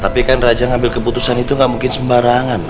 tapi kan raja ngambil keputusan itu gak mungkin sembarangan